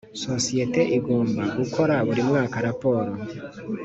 Sosiyete igomba gukora buri mwaka raporo